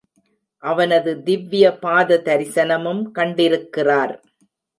அவனது திவ்ய பாத தரிசனமும் கண்டிருக்கிறார்.